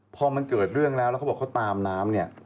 พอมันเกิดเรื่องแล้วเขาตามน้ำ